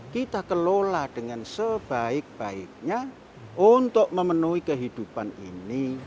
kita kelola dengan sebaik baiknya untuk memenuhi kehidupan ini